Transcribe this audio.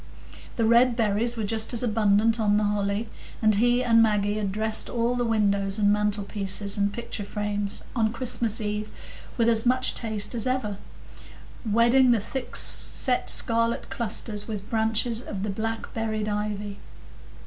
The red berries were just as abundant on the holly, and he and Maggie had dressed all the windows and mantlepieces and picture frames on Christmas eve with as much taste as ever, wedding the thick set scarlet clusters with branches of the black berried ivy.